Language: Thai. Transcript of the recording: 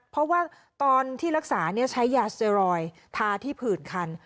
เพราะว่าตอนที่รักษาใช้ยาเซรอยทาที่ผื่นคัน